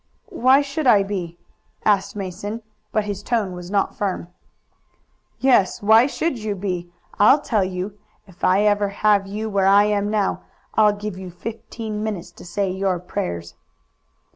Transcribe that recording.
"Why should I be?" asked Mason, but his tone was not firm. "Yes, why should you be? I'll tell you. If ever I have you where I am now I'll give you fifteen minutes to say your prayers."